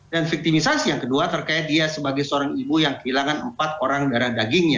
dan victimisasi yang kedua terkait dia sebagai seorang ibu yang kehilangan empat orang darah dagingnya